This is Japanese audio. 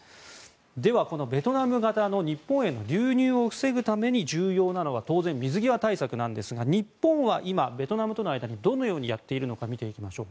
では、このベトナム型の日本への流入を防ぐために重要なのは当然、水際対策なんですが日本は今、ベトナムの間をどのようにやっているか見ていきましょう。